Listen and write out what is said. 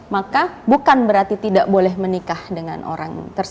maka bukan berarti tidak boleh menikah dengan orang tersebut